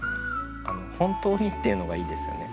「ほんとうに」っていうのがいいですよね。